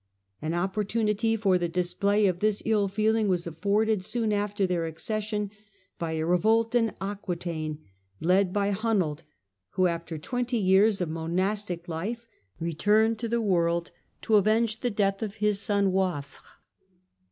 An opportunity for the display of this ill feeling was afforded soon after their accession by a revolt in Aquetaine, led by Hunold, who, after twenty years of monastic life, returned to the world to avenge the death of his son Waifer.